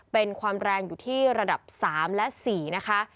เป็นความแรงอยู่ที่ระดับ๓และ๔นะคะ